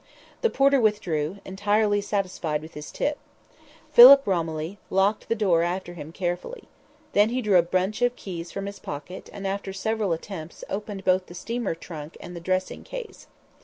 The porter withdrew, entirely satisfied with his tip. Philip Romilly locked the door after him carefully. Then he drew a bunch of keys from his pocket and, after several attempts, opened both the steamer trunk and the dressing case.